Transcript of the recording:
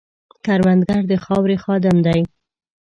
کروندګر د خاورې خادم دی